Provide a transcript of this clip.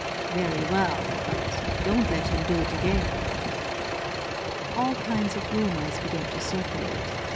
"Very well! But don't let him do it again!" All kinds of rumors began to circulate.